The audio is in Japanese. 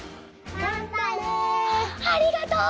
ありがとう！